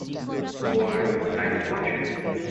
Or looked like fortune.